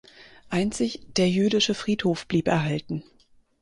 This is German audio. Einzig der jüdische Friedhof blieb erhalten.